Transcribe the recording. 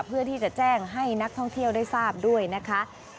เพื่อที่จะแจ้งให้นักท่องเที่ยวได้ทราบด้วยนะคะ